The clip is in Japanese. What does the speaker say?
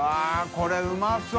これうまそう。